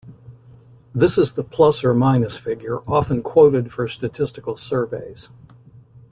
This is the "plus or minus" figure often quoted for statistical surveys.